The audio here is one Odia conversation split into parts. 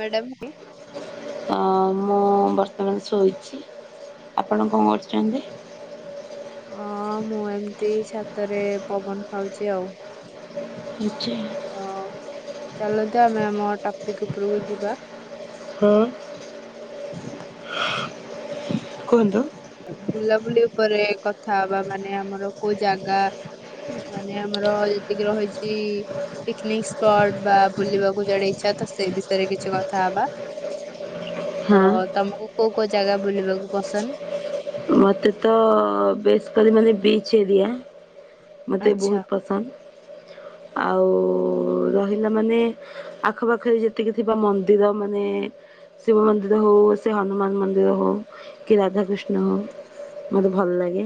ମ୍ୟାଡ଼ାମ କି ମୁଁ ବର୍ତ୍ତମାନ ଶୋଇଛି ଆପଣ କଣ କରୁଛନ୍ତି? ହଁ ମୁଁ ଏମିତି ଛାତରେ ପବନ ଖାଉଛି ଆଉ ନିଚୟ ତ ଚାଲନ୍ତୁ ଆମେ ଆମ ଟପିକ ଉପରକୁ ଯିବା। ହଁ। କୁହନ୍ତୁ? ବୁଲାବୁଲି ଉପରେ କଥା ହବା ମାନେ ଆମର କୋଉ ଜାଗା? ମାନେ ଆମର ଯେତିକି ରହିଛି ପିକନିକ ସ୍ପଟ ବା ବୁଲିବାକୁ ଯାଡେ ଇଛା ତ ସେ ବିଷୟରେ କିଛି କଥା ହବା? [inaudible] ତ ତମକୁ କୋଉ କୋଉ ଜାଗା ବୁଲିବାକୁ ପସନ୍ଦ? ମତେ ତ ବେସିକଲି ମାନେ ବୀଚ ଏରିଆ। ମୋତେ ଆଚ୍ଛା ବହୁତ ପସନ୍ଦ, ଆଉ ରହିଲା ମାନେ ଆଖପାଖରେ ଯେତିକି ଥିବା ମନ୍ଦିର, ମାନେ ଶିବ ମନ୍ଦିର ହଉ ସେ ହନୁମାନ ମନ୍ଦିର ହ କି ରାଧାକୃଷ୍ଣ ହଉ। ମୋତେ ଭଲ ଲାଗେ,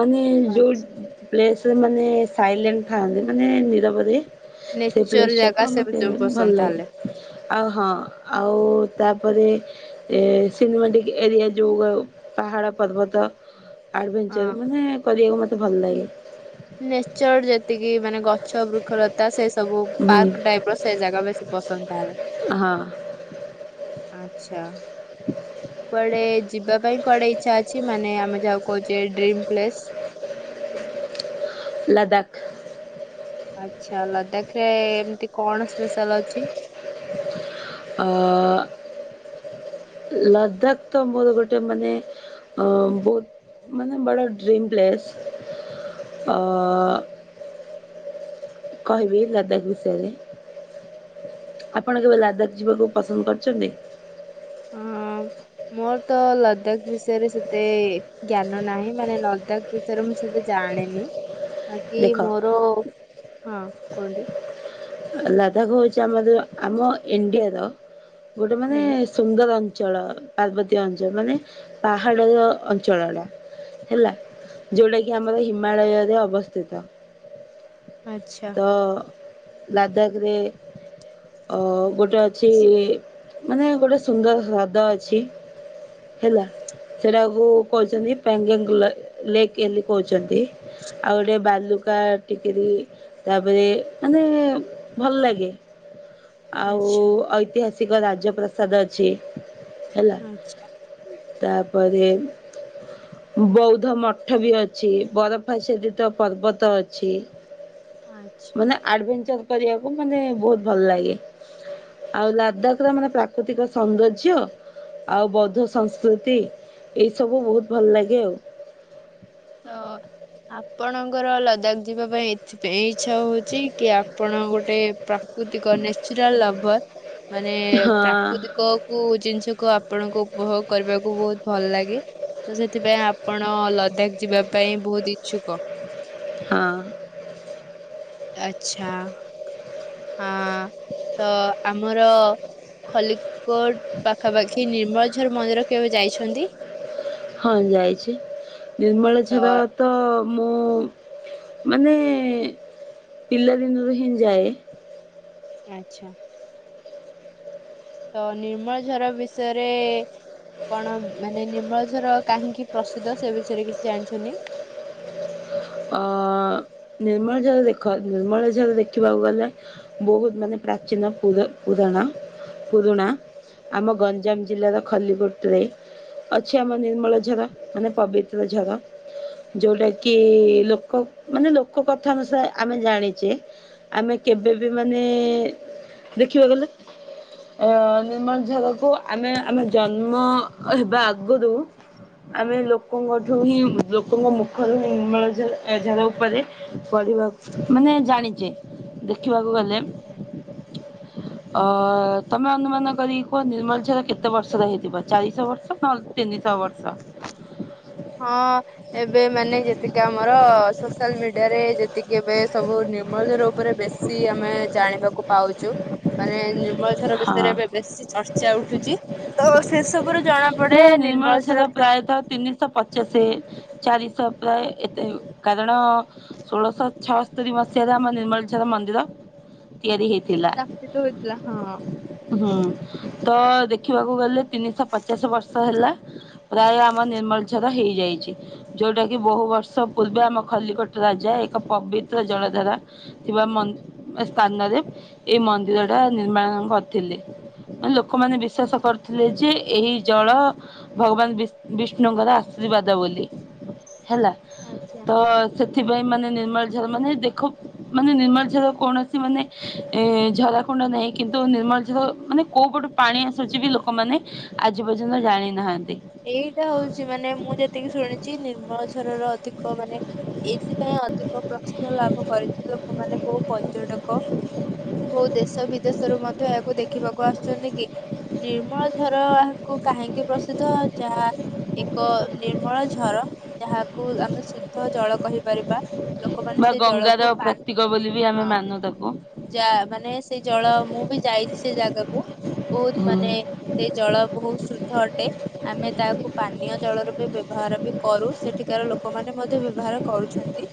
ମାନେ ଯେଉଁ ଆଛା ପସରେ ମାନେ ସାଇଲେଣ୍ଟ ଥାନ୍ତି ମାନେ ନିରବରେ ସେ ନେଚର ପ୍ଲେସ ଯଖ ଜାଗା ସେ ମତେ ଆ ସବୁ ଭଲ ପସନ୍ଦ ଲାଗେ। ତାହେଲେ ଆଉ ହଁ ଆଉ ତାପରେ ଏ ସିନେମାଟିକ ଏରିଆ ଯୋଗୋଗ। [unintelligible] ପାହାଡ଼ ପର୍ବତ ହଁ ଆଡ଼ଭେଞ୍ଚର୍ ମାନେ କରିବାକୁ ମୋତେ ଭଲ ଲାଗେ। ନେଚର ଯେତିକି ମାନେ ଗଛ ବୃକ୍ଷଲତା ସେ ସବୁ ହୁଁ ପାର୍କ ଟାଇପ ର ସେ ଜାଗା ବେଶୀ ପସନ୍ଦ ଥାଏ। ହଁ। ଆଚ୍ଛା। କୁଆଡେ ଯିବା ପାଇଁ କୁଆଡେ ଇଛା ଅଛି ମାନେ ଆମେ ଯାହାକୁ କହୁଛେ ଡ୍ରିମ୍ ପ୍ଲେସ୍? ଲାଦାକ୍। ଆଚ୍ଛା ଲଦାଖ ରେ ଏମିତି କଣ ସ୍ପେଶାଲ ଅଛି? ଅ ଲଦାଖ ତ ମୋର ଗୋଟେ ମାନେ ଅ ବହୁତ ମାନେ ବଡ଼ ଡ୍ରିମ ପ୍ଲେସ। ଅ କହିବି ଲଦାଖ ବିଷୟରେ? ଆପଣ କେବେ ଲାଦାଖ ଯିବାକୁ ପସନ୍ଦ କରଛନ୍ତି? ଅଁ [inaudible] ମୋର ତ ଲଦାଖ ବିଷୟରେ ସେତେ ଜ୍ଞାନ ନାହିଁ ମାନେ ଲଦାଖ ଭିତରେ ମୁଁ ସହିତ ଜାଣିନି। [inaudible] ବାକି ମୋର ହଁ କୁହନ୍ତୁ? ଲଦାଖ ହଉଛି ଆମର ଆମ ଇଣ୍ଡିଆର ଗୋଟେ ମାନେ ହୁଁ। ସୁନ୍ଦର ଅଞ୍ଚଳ ପାର୍ବତୀୟ ଅଞ୍ଚଳ ମାନେ ପାହାଡ ଯୋ ଅଞ୍ଚଳଟା। ହେଲା ଯୋଉଟା କିି ଆମର ହିମାଳୟରେ ଅବସ୍ଥିତ। ଆଚ୍ଛା। ଅ ଲାଦକ ରେ ଅ ଗୋଟେ ଅଛି ମାନେ ଗୋଟେ ସୁନ୍ଦର ହ୍ରାଦ ଅଛି ହେଲା। ସେଟାକୁ କହୁଛନ୍ତି ପେଙ୍ଗେଙ୍ଗ ଗୁଲା ଲେକ୍ ହେଲି କହୁଛନ୍ତି। ଆଉ ଗୋଟେ ବାଲୁକା ଟିକେରି ତାପରେ ମାନେ ଭଲ ଲାଗେ ଆଉ ଆଚ୍ଛା ଐତିହାସିକ ଐତହାସିକ ରାଜପ୍ରାସାଦ ଅଛି ହେଲା। ଆଚ୍ଛା ତା ପରେ ବୌଦ୍ଧ ମଠ ବି ଅଛି ବରଫଆଛାଦିତ ପର୍ବତ ଅଛି। ଆଚ୍ଛା। ମାନେ ଆଡଭେଚର କରିବାକୁ ମାନେ ବହୁତ ଭଲ ଲାଗେ। ଆଉ ଲାଦାଖ ର ମାନେ ପ୍ରାକୃତିକ ସୌନ୍ଦର୍ଯ୍ୟ? ଆଉ ବୌଦ୍ଧ ସଂସ୍କୃତି ଏସବୁ ବହୁତ ଭଲ ଲାଗେ ଆଉ। ତ ଆପଣଙ୍କର ଲଦାଖ ଯିବା ପାଇଁ ଏତ ସେଥିପାଇଁ ଇଛା ହଉଛି କି ଆପଣ ଗୋଟେ ପ୍ରାକୃତିକ ନନ୍ୟଚୁରାଲ ଲଭର ମାନେ ହଁ। ପ୍ରାକୃତିକ କଉ ଜିନିଷକୁ ଆପଣଙ୍କୁ ଉପଭୋଗ କରିବାକୁ ବହୁତ ଭଲ ଲାଗେ। ତ ସେଥିପାଇଁ ଆପଣ ଲଦାଖ ଯିବା ପାଇଁ ବହୁତ ଇଛୁକ। ହଁ ଆଛା। ହଁ ତ ଆମର ଖଲିକୋଟ ପାଖାପାଖି ନିର୍ମଳଝର ମନ୍ଦିର କେବେ ଯାଇଛନ୍ତି? ହଁ ଯାଇଛି ନିର୍ମଳ ତ ଝର ତ ମୁଁ ମାନେ ପିଲାଦିନରୁ ହିଁ ଯାଏ। ଆଚଛା। ତ ନିର୍ମଳ ଝର ବିଷୟରେ କଣ ମାନେ ନିର୍ମଳ ଝର କାହିଁକି ପ୍ରସିଦ୍ଧ ସେ ବିଷୟରେ କିଛି ଜାଣିଛୁନ୍ତି। ଅ ନିର୍ମଳ ଝର ଦେଖ ନିର୍ମଳ ଝର ଦେଖିବାକୁ ଗଲେ ବହୁମମାନେ ପ୍ରାଚୀନ ପୁରପୁରାଣ ପୁରୁଣା ଆମ ଗଞ୍ଜାମ ଜିଲ୍ଲାର ଖଲିକୋଟରେ ଅଛି ଆମ ନିର୍ମଳ ଝାର ମାନେ ପବିତ୍ର ଝାର ଯୋଉଟା କି ଲୋକ ମାନେ ଲୋକ କଥା ଅନୁସାରେ ଆମେ ଜାଣିଛେ ଆମେ କେବେ ବି ମାନେ ଦେଖିବାକୁ ଗଲେ ଅ ନିର୍ମଳ ଝରକୁ ଆମେ ଆମେ ଜନ୍ମ ହେବା ଆଗୁରୁ ଆମେ ଲୋକଙ୍କଠୁ ହିଁ ଲୋକଙ୍କ ମୁଖରୁ ହିଁ ନିମଳ ଆଧାର ଉପରେ ପରିବା ମାନେ ଜାଣିଚି ଦେଖିବାକୁ ଗଲେ ଅ ତମେ ଅନୁମାନ କରିକି କୁହ ନିର୍ମଳ ଝର କେତେ ବର୍ଷର ହେଇଥିବ ଚାରିଶହ ବର୍ଷ ନହଲେ ତିନିଶ ବର୍ଷ। ହଁ ଏବେ ମାନେ ଯେ ଯେତିକି ଆମର ସୋସିଆଲ ମିଡିଆରେ ଯେତିକି ଏବେ ସବୁ ନିର୍ମଳ ଝର ଉପରେ ବେଶୀ ଆମେ ଜାଣିବାକୁ ପାଉଛୁ ମାନେ ନିର୍ମଳ ଝର ହଁ ବିଷୟରେ ଏବେ ବେଶୀ ଚର୍ଚା ଚା ଉଠୁଛି ତ ସେସବୁ ଜଣାପଡେ ନିର୍ମଳ ଝରପ ତାଙ୍କ ତିନି ଶହ ପଚାସେ ଚାରିଶ ପ୍ରାୟେ ଏତେ କାରଣ ଷୋଳଶହ ଛଅସ୍ତରୀ ମସିହାରେ ଆମ ନିର୍ମଳଝର ମନ୍ଦିର ତିଆରି ହେଇଥିଲା। ସେତେଳେ ହେଇଥିଲା ହଁ। ହୁଁ ତ ଦେଖିବାକୁ ଗଲେ ତିନିଶହ ପଚାଶ ବର୍ଷ ହେଲା ପ୍ରାୟ ଆମ ନିର୍ମଳ ଝର ହେଇଯାଇଛି। ଯୋଉଟା କି ବହୁ ବର୍ଷ ପୂର୍ବେ ଆମ ଖଲିକୋଟ ରାଜା ଏକ ପବିତ୍ର ଜଳଧାରା ଥିବା ମ ସ୍ଥାନରେ ଏଇ ମନ୍ଦିର ଟା ନିର୍ମାଣ କରି ଥିଲେ ଲୋକମାନେ ବିସ୍ୱାସ କରୁ ଥିଲେ ଯେ ଏହି ଜଳ ଭଗବାନ ବି ବିଷ୍ଣୁଙ୍କର ଆଶୀର୍ବାଦ ବୋଲି। ହେଲା। ଆଜ୍ଜା। ତ ସେଥିପାଇଁ ମାନେ ନିର୍ମଳ ଝର ମାନେ ଦେଖ ମାନେ ନିର୍ମଳ ଝର କୌଣସି ମାନେ ଏ ଝରାଖୁଣ୍ଡ ନାହିଁ କିନ୍ତୁ ନିର୍ମଳ ମାନେ କୋଉ ପଟୁ ପାଣି ଆସୁଚି ବି ଲୋକମାନେ ଆଜି ପର୍ଯ୍ୟନ୍ତ ଜାଣିନାହାନ୍ତି। ଏଇଟା ହଉଚି ମାନେ ମୁଁ ଯେତିକି ଶୁଣିଚି ନିର୍ମଳ ଝରର ଅଧିକ ମାନେ ଏଇଥିପାଇଁ ଅଧିକ ପ୍ରସିଦ୍ଧ ଲାଭ କରିଚି ଲୋକମାନେ ବହୁ ପର୍ଯ୍ୟଟକ କୋଉ ଦେଶ ବିଦେଶରୁୁ ମଧ୍ୟ ଏହାକୁ ଦେଖିବାକୁ ଆସୁଚନ୍ତି କି। ନିର୍ମଳ ଝର ଏହାକୁ କାହିଁକି ପ୍ରସିଦ୍ଧ ଯା ଏକ ନିର୍ମଳ ଝର ଯାହାକୁ ଆମେ ଶୁଦ୍ଧ ଜଳ କହିପାରିବା। ଲୋକମାନେ ବା ସେ ଗଙ୍ଗାର ଜଳକୁ ପାନ୍ ପ୍ରତୀକ ବୋଲି ବି ଆମେ ହଁ। ମାନୁ ତାକୁ। ଯା ମାନେ ସେ ଜଳ ମୁଁ ବି ଯାଇଚି ସେ ଯାଗାକୁ ବହୁତ ମାନେ ସେ ଜଳ ବହୁତ ଶୁଦ୍ଧ ଅଟେ। ଆମେ ତାହାକୁ ପାନୀୟ ଜଳ ରୂପେ ବ୍ୟବହାର ବି କରୁ ସେଠିକାର ଲୋକମାନୋ ମଧ୍ୟ ବ୍ୟବହାର କରୁଛନ୍ତି।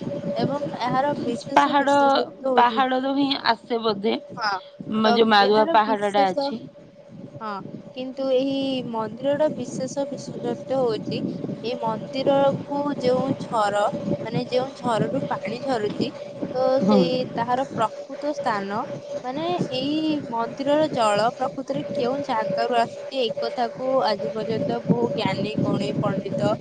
ଏବଂ ଏହାର ବିଶେଷ ପାହାଡ ବିଶେଷତ୍ଵ ହଉଚି ପାହାଡରୁ ହିଁ ଆସେ ବୋଧେ ହଁ। ତ ଯୋଉ ମାରୁଆ ଏହାର ପାହାଡ ଟା ବିଶେଷ ଅଛି। ହଁ କିନ୍ତୁ ଏହି ମନ୍ଦିରଡ ବିଶେ ଷ ବିଶେଷତ୍ଵ ହଉଚି ଏଇ ମନ୍ଦିର କୁ ଯେଉଁ ଝର ମାନେ ଯେଉଁ ଝରରୁ ପାଣି ଝରୁଚି ତ ହୁଁ ସେଇ ତାହାର ପ୍ରକୃତ ସ୍ଥାନ ମାନେ ଏଇ ମନ୍ଦିରର ଜଳ ପ୍ରକୃତରେ କେଉଁ ଜାଗାରୁ ଆସୁ ଚି ଏକଥା କୁ ଆଜି ପର୍ଯ୍ୟନ୍ତ ବହୁ ଜ୍ଞାନୀ ଗୁଣୀ ପଣ୍ଡିତ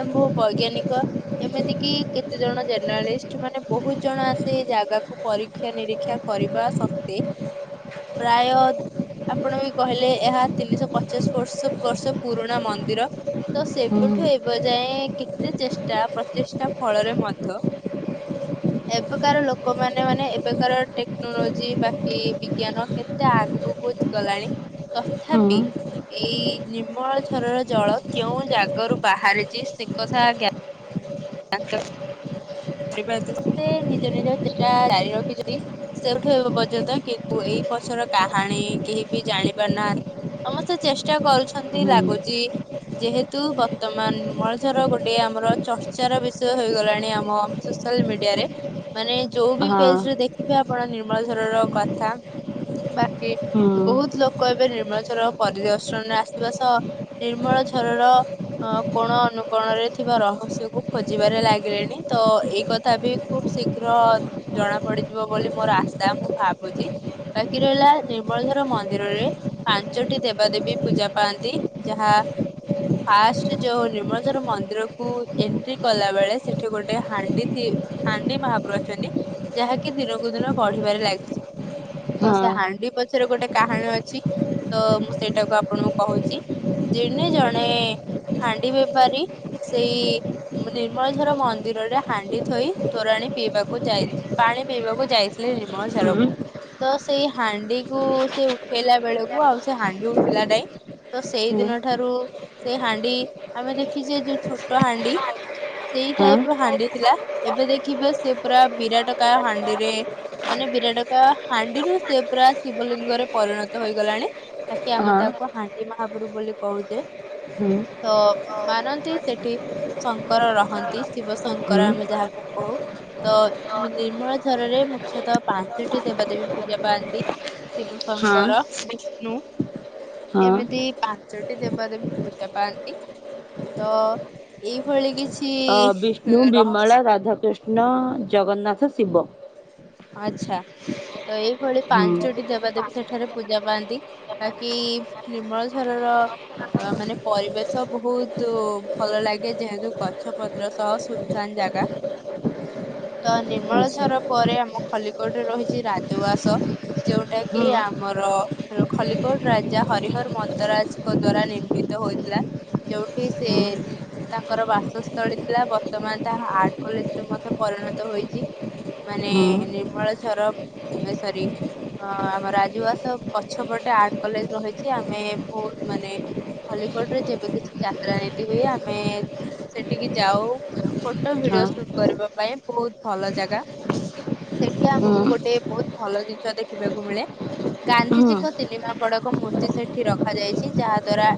ଏମ୍ ବହୁ ବୈଜ୍ଞାନିକ ଏମିତି କି କେତେ ଜଣ ଜେର୍ଣ୍ଣାଳିଷ୍ଟ୍ ମାନେ ବହୁତ ଜଣ ଆସି ଏ ଜାଗାକୁୁ ପରୀକ୍ଷା ନିରୀକ୍ଷା କରିବା ସତ୍ତ୍ୱେ ପ୍ରାୟ ତ ଆପଣ ବି କହିଲେ ଏହା ତିନିଶହ ପଚାଶ ବର୍ଷ ବର୍ଷ ପୁରୁଣା ମନ୍ଦିର। ତ ହୁଁ ସେବୁଠୁ ଏବ ଯାଏଁ କେତେ ଚେଷ୍ଟା ପ୍ରଚେଷ୍ଟା ଫଳରେ ମଧ୍ୟ [unintelligible] ଏବେକାର ଲୋକମାନେ ମାନେ ଏବେକାର ଟେକ୍ନୋଲୋଜି ବାକି ବିଜ୍ଞାନ କେତେ ଆଗୁକୁ - ଗଲାଣି ହୁଁ ତଥାପି ଏଇ ଅମଳ ଝରର ଜଳ କେଉଁ ଜଗାରୁ ବାହାରିଛି ସେ କଥା ଜ୍ଞା [unintelligible] [unintelligible] ନିଜ ନିଜ ଚେଷ୍ଟା ଜାରି ରଖିଛନ୍ତି। ସେଇଠୁ ଏବେ ପର୍ଯ୍ୟନ୍ତ କିନ୍ତୁ ଏଇ ପଛର କାହାଣୀ କେହି ବି ଜାଣି ପାରୁ ନାହା ସମସ୍ତେ ଚେଷ୍ଟା କରୁଛନ୍ତି ହୁଁ ଲାଗୁଛି ଯେହେତୁ ବର୍ତ୍ତମାନ ନିର୍ମଳ ଝର ଗୋଟେ ଆମର ଚର୍ଚ୍ଚାର ବିଷୟ ହେଇଗଲାଣି ଆମ ସୋସିଆଲ ମିଡିଆରେ ମାନେ ଯୋଉ ବି ହଁ ପେଜ୍ ରେ ଦେଖିବେ ଆପଣ ନିର୍ମଳ ଝର ର କଥା ବାକି ହୁଁ ବହୁତ୍ ଲୋକ ଏବେ ନିର୍ମଳଝର ପରିଦର୍ଶନରେ ଆସିବା ସହ ନିର୍ମଳ ଝରର ଅ କୋଣ ଅନୁକୋଣରେ ଥିବା ରହସ୍ୟକୁ ଖୋଜିବାରେ ଲାଗିଲେଣି ତ ଏଇ କଥା ବି ଖୁବ ଶୀଘ୍ର ଜଣା ପଡିଯିବ ବୋଲି ମୋର ଆଶା ମୁଁ ଭାବୁଚି। ବାକି ରହିଲା ନିର୍ମଳଝର ମନ୍ଦିରରେ ପାଞ୍ଚଟି ଦେବା ଦେେବୀ ପୂଜା ପାଆନ୍ତି ଯାହା ଫାଷ୍ଟ୍ ଯୋଉ ନିର୍ମଳ ଝର ମନ୍ଦିର କୁ ଏଣ୍ଟ୍ରି କଲା ବଳେ ସେଠି ଗୋଟେ ହା [unintelligible] ଯାହାକି ଦିନକୁ ଦିନ ବଢିବାରେ ଲାଗିଛି। ତ ହଁ ସେ ହାଣ୍ଡି ପଛରେ ଗୋଟେ କାହଣୀ ଅଛି ତ ମୁଁ ସେଇଟାକୁ ଆପଣଙ୍କୁ କହୁଚି ଦିନେ ଜଣେ ହାଣ୍ଡି ବେପାରୀ, ସେଇ ନିର୍ମଳଝର ମନ୍ଦିରେ ହାଣ୍ଡି ଥୋଇ ତୋରାଣି ପିଇବାକୁ ଯାଇ, ପାଣି ପିଇବାକୁ ଯାଇଥିଲେ ନିର୍ମଳ ହୁଁ ଝରକୁ। ତ ସେଇ ହାଣ୍ଡି କୁ ସେ ଉଠେଇଲା ବେଳକୁ ଆଉ ସେ ହାଣ୍ଡି ଉଠିଲା ନାଇଁ ତ ହୁଁ ସେଇଦିନ ଠାରୁ ସେଇ ହାଣ୍ଡି ଆମେ ଦେଖିଛେ, ଯୋଉ ଛୋଟ ହାଣ୍ଡି? ସେଇ ହଁ ଟାଇପ ର ହାଣ୍ଡି ଥିଲା। ଏବେ ଦେଖିବ ସେ ପୁରା ବିରାଟ କାୟ ହାଣ୍ଡିରେ ମାନେ ବିରାଟ କାୟ ହାଣ୍ଡିରୁ ସେ ପୁରା ଶିବଲିଙ୍ଗରେ ପରିଣତ ହେଇଗଲାଣି। ବାକି ଆମେ ହଁ ତାକୁ ହାଣ୍ଡି ମହାପ୍ରଭୁ ବୋଲି କହୁଛେ। ହୁଁ ତ ମାନନ୍ତି ସେଠି ଶଙ୍କର ରହନ୍ତି। ଶିବ ଶ- ହୁଁ ଙ୍କର ଆମେ ଯାହାକୁ କହୁ। ତ ନିର୍ମଳ ଝରରେ ମୁଖ୍ୟତଃ ପାଞ୍ଚଟି ଦେବାଦେବୀ ପୂଜା ପାଆନ୍ତି। ଶିବ ହଁ ଶଙ୍କର, [unintelligible] ହଁ ଏମିତି ପାଞ୍ଚଟି ଦେବା ଦେବୀ ପୂଜା ପାଆନ୍ତି। ତ ଏଇ ଭଳି କିଛି ମୁଁ ରହସ୍ୟ ବିମଳା, ରାଧାକୃଷ୍ଣ, ଜଗନ୍ନାଥ, ଶିବ। ଆଚ୍ଛା, ତ ଏଇଭଳି ହୁଁ। ପାଞ୍ଚଟି ଦେବା ଦେଵୀ ସେଠି ଠାରେ ପୂଜା ପାଆନ୍ତି। ବାକି ନିର୍ମଳ ଝରର ଅ ମାନେ ପରିବେଶ ବହୁତ ଭଲ ଲାଗେ। ଯେହେତୁ ଗଛ ପତ୍ର ସହ ସୁନ୍ ସାନ୍ ଜାଗା। [inaudible] ତ ଆଚ୍ଛା ନିର୍ମଳଝର ପରେ ଆମ ଖଲିକୋଟ ରେ ରହିଛି ରାଜଉଆସ। ଯୋଉଟା କି ହଁ ଆମର, ଖଲିକୋଟ ରାଜା ହରିହର ମଦରାଜ ଙ୍କ ଦ୍ଵାରା ନିର୍ମିତ ହୋଇଥିଲା। ଯୋଉଠି ସେ ହଁ ତାଙ୍କର ବାସସ୍ଥଳୀ ଥିଲା। ବର୍ତ୍ତମାନ ତାହା ଆର୍ଟ କଲେଜରେ ମଧ୍ୟ ପରିଣତ ହୋଇଛି। ମାନେ ହଁ ହଁ ନିର୍ମଳ ଝରବ୍ ନାଇ ସରି, ହ ଆମ ରାଜ ଉଆସ ପଛପଟେ ଆର୍ଟ କଲେଜ ରହିଛି। ଆମେ ବହୁତ ମାନେ ଖଲିକୋଟ ରେ ଯେବେ କିଛି ଯାତ୍ରା ଏମିତି ହୁଏ, ଆମେ ସେଠିକି ଯାଉ। ଫଟୋ ଭିଡିଓ ସୁଟ୍ କରିବା ପାଇଁ ବହୁତ ଭଲ ଜାଗା। ସେଠି ଆମକୁ ହଁ ଗୋଟେ ବହୁତ ଭଲ ଜିନିଷ ଦେଖିବାକୁ ମିଳେ। ଗାନ୍ଧିଜୀଙ୍କ ତିନି ମାଙ୍କଡ଼ଙ୍କ ମୂର୍ତ୍ତି ସେଠି ରଖାଯାଇଛି। ଯାହା ଦ୍ଵାରା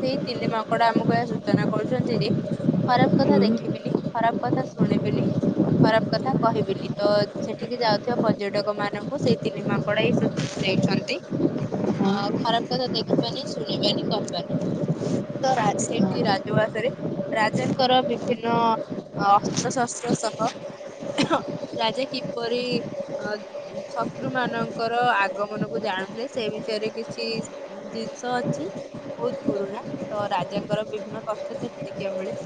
ସେଇ ତିନି ମାଙ୍କଡ ଆମକୁ ଏହା ସୂଚନା କରୁଛନ୍ତି ଯେ ଖରାପ କଥା ଦେଖିବିନି, ଖରାପ କଥା ଶୁଣିବିନି, ଖରାପ କଥା କହିବିନି। ତ ସେଠିକି ଯାଉଥିବା ପର୍ଯ୍ୟଟକ ମାନଙ୍କୁ ସେଇ ତିନି ମାଙ୍କଡ ଏ ସୂଚନା ଦେଇଛନ୍ତି। ହ, ଖରାପ କଥା ଦେଖିବାନି, ଶୁଣିବାନି, କହିବାନି। ତ ରା ହଁ ସେଇଠି ରାଜ ଉଆସରେ ରାଜାଙ୍କର ବିଭିନ୍ନ ଅସ୍ତ୍ରଶାସ୍ତ୍ର ସହ ରାଜା କିପରି ଅ ଶତ୍ରୁ ମାନଙ୍କର ଆଗମନ କୁ ଜାଣୁଥିଲେ, ସେ ବିଷୟରେ କିଛି ଜିନିଷ ଅଛି ବହୁତ ପୁରୁଣା, ତ ରାଜାଙ୍କର ବିଭିନ୍ନ ତଥ୍ୟ ସେଠି ଦେଖିବାକୁ ମିଳେ।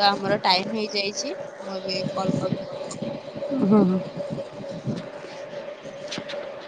ତ ଆମର ଟାଇମ ହେଇଯାଇଛି। ମୁଁ ଏବେ କଲ କଟ କରୁଛି? ହୁଁ ହୁଁ। [inaudible]